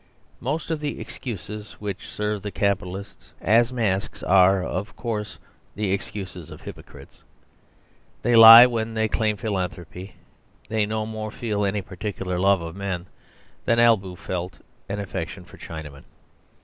Most of the excuses which serve the capitalists as masks are, of course, the excuses of hypocrites. They lie when they claim philanthropy; they no more feel any particular love of men than Albu felt an affection for Chinamen.